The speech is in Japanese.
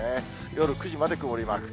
夜９時まで曇りマーク。